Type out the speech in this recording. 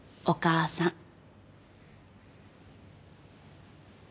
お母さん。